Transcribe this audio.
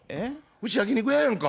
うち焼き肉屋やんか。